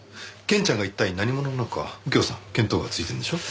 ケンちゃんが一体何者なのか右京さん見当がついてるんでしょ？